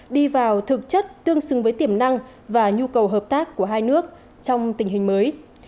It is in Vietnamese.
đi vào thực chất tương xứng với tiềm năng và nhu cầu hợp tác của hai nước trong tình hình mới